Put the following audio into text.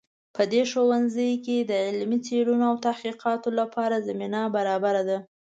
په دې ښوونځي کې د علمي څیړنو او تحقیقاتو لپاره زمینه برابره ده